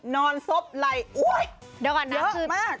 นอนซบไหลโอ๊ยเยอะมาก